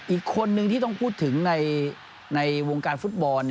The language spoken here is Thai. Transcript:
อีกคนนึงที่ต้องพูดถึงในวงการฟุตบอล